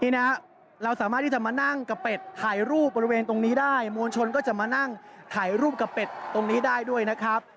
นี่นะเราสามารถที่จะมานั่งกับเป็ดถ่ายรูปบริเวณตรงนี้ได้มวลชนก็จะมานั่งถ่ายรูปกับเป็ดตรงนี้ได้ด้วยนะครับ